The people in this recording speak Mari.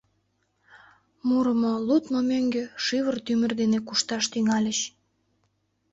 Мурымо, лудмо мӧҥгӧ шӱвыр-тӱмыр дене кушташ тӱҥальыч.